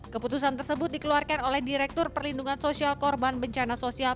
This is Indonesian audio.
keputusan tersebut dikeluarkan oleh direktur perlindungan sosial korban bencana sosial